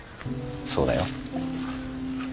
そうだよ。